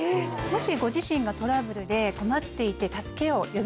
もしご自身がトラブルで困っていて。